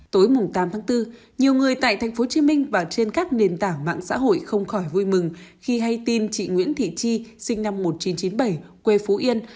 tối tám tháng bốn nhiều người tại tp hcm và trên các nền tảng mạng xã hội không khỏi vui mừng khi hay tin chị nguyễn thị chi sinh năm một nghìn chín trăm chín mươi bảy quê phú yên